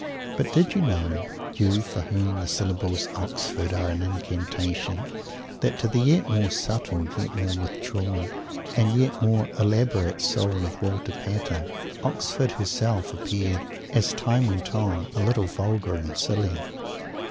But did you know, you for whom the syllables "Oxford" are an Incantation, that to the yet more subtle, yet more withdrawn, and yet more elaborate soul of Walter Pater, Oxford Herself appeared, as time went on, a little vulgar and silly?